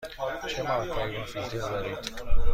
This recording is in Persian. چه مارک هایی با فیلتر دارید؟